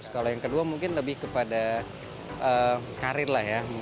kalau yang kedua mungkin lebih kepada karir lah ya